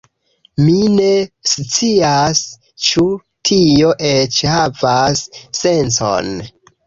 Mi ne scias, ĉu tio eĉ havas sencon.